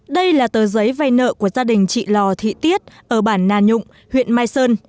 đây là tờ giấy vay nợ của gia đình chị lò thị tiết ở bản nà nhũng huyện mai sơn